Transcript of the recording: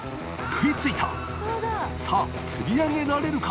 秧い弔い拭さぁ釣り上げられるか？